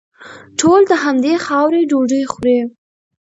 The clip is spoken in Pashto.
ټول د همدې خاورې ډوډۍ خوري.